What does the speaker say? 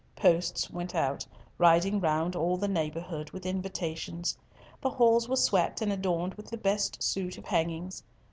Posts went out, riding round all the neighbourhood with invitations. The halls were swept and adorned with the best suit of hangings.